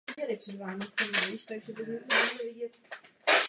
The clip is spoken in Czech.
Hned na začátku nového století jej následovala Austrálie.